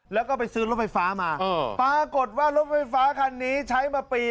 แล้วก็ไปซื้อรถไฟฟ้ามาปรากฏว่ารถไฟฟ้าคันนี้ใช้มาปี